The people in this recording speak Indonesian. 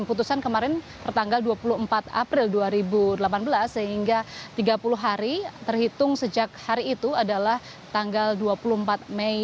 dan putusan kemarin bertanggal dua puluh empat april dua ribu delapan belas sehingga tiga puluh hari terhitung sejak hari itu adalah tanggal dua puluh empat mei dua ribu delapan belas